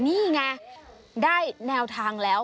นี่ไงได้แนวทางแล้ว